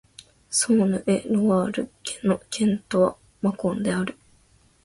ソーヌ＝エ＝ロワール県の県都はマコンである